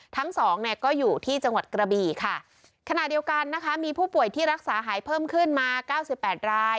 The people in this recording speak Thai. ทั้งสองเนี่ยก็อยู่ที่จังหวัดกระบี่ค่ะขณะเดียวกันนะคะมีผู้ป่วยที่รักษาหายเพิ่มขึ้นมาเก้าสิบแปดราย